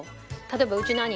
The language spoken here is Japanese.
例えばうちの兄